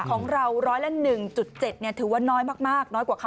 ของเรา๑๐๐ละ๑๗ถือว่าน้อยมาก